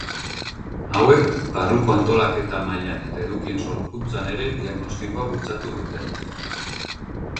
Hauek barruko antolaketa mailan eta edukien sorkuntzan ere diagnostikoa bultzatu dute.